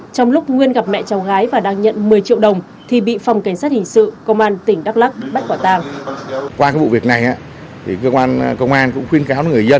trong lúc nguyên gặp mẹ cháu gái và đang nhận một mươi triệu đồng thì bị phòng cảnh sát hình sự công an tỉnh đắk lắc bắt quả tang